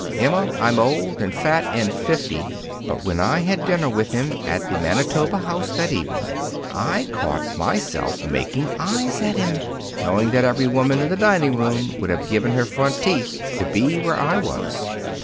Emma, I'm old and fat and fifty, but when I had dinner with him at the Manitoba House that evening, I caught myself making eyes at him, knowing that every woman in the dining room would have given her front teeth to be where I was."